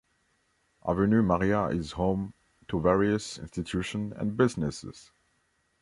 Avenue Maria is home to various institutions and businesses.